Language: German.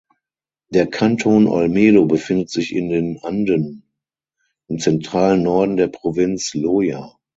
Der Kanton Olmedo befindet sich in den Anden im zentralen Norden der Provinz Loja.